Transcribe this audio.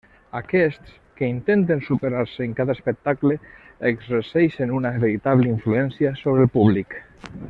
Aquests, que intenten superar-se en cada espectacle, exerceixen una veritable influència sobre el públic.